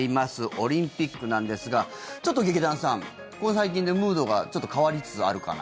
オリンピックなんですがちょっと劇団さんここ最近でムードがちょっと変わりつつあるかな。